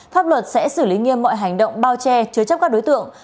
pháp luật sẽ xử lý nghiêm mọi hành động bao che chứa chấp các đối tượng